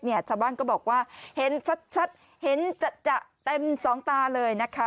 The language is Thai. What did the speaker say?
ชาวบ้านก็บอกว่าเห็นชัดเห็นจะเต็มสองตาเลยนะคะ